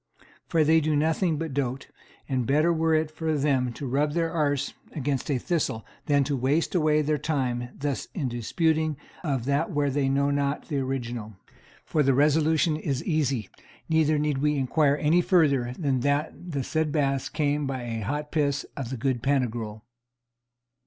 For they do nothing but dote, and better were it for them to rub their arse against a thistle than to waste away their time thus in disputing of that whereof they know not the original; for the resolution is easy, neither need we to inquire any further than that the said baths came by a hot piss of the good Pantagruel.